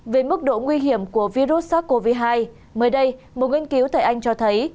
về mức độ nguy hiểm của virus sars cov hai mới đây một nghiên cứu tại anh cho thấy